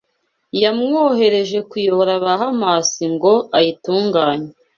yamwohereje kuyobora Bahamasi ngo ayitunganye